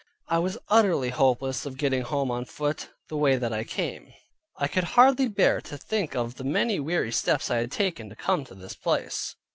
I was utterly hopeless of getting home on foot, the way that I came. I could hardly bear to think of the many weary steps I had taken, to come to this place.